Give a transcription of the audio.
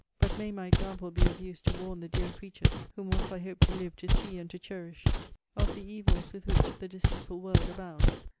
But may my example be of use to warn the dear creatures whom once I hoped to live to see and to cherish, of the evils with which the deceitful world abounds!